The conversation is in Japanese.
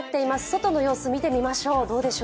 外の様子見てみましょう。